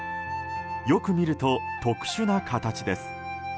よく見ると、特殊な形です。